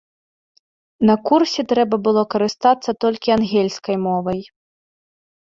На курсе трэба было карыстацца толькі ангельскай мовай.